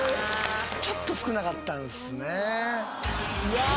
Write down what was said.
ちょっと少なかったんですね